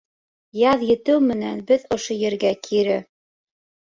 Яҙ етеү менән, беҙ ошо ергә кире